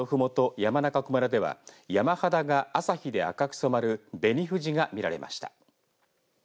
山中湖村では山肌が朝日で赤く染まる紅富士が見られました。